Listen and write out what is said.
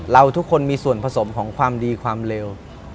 เราทุกคนมีส่วนผสมของความดีความเร็ว